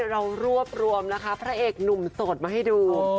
เรารวบรวมนะคะพระเอกหนุ่มโสดมาให้ดู